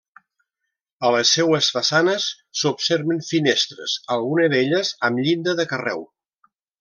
A les seues façanes s'observen finestres, alguna d'elles amb llinda de carreu.